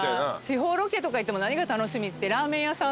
地方ロケとか行っても何が楽しみってラーメン屋さん。